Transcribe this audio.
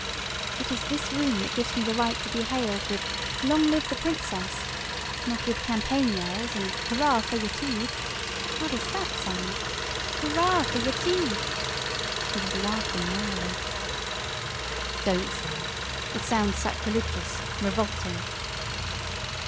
"It is this room that gives me the right to be hailed with 'Long live the Princess!' Not with campaign yells and 'Hurrah for Yetive!' How does that sound? 'Hurrah for Yetive!'" She was laughing merrily. "Don't say it! It sounds sacrilegious revolting!"